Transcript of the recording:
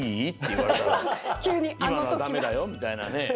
「いまのはダメだよ」みたいなね。